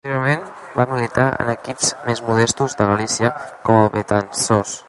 Posteriorment, va militar en equips més modestos de Galícia, com el Betanzos.